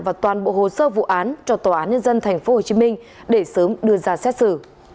và toàn bộ hồ sơ vụ án cho tòa án nhân dân tp hcm để sớm đưa ra xét xử